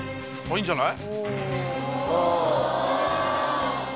いいんじゃない？